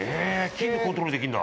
菌でコントロールできるんだ。